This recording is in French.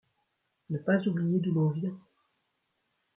Ne pas oublier d'où l'on vient.